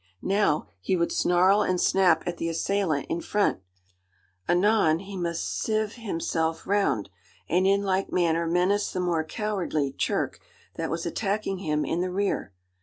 Now, he would snarl and snap at the assailant in front anon, he must sieve himself round, and in like manner menace the more cowardly "churk" that was attacking him in the rear.